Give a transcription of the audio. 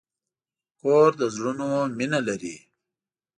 کور د زړونو مینه لري.